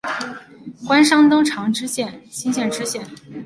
官山东长清县知县。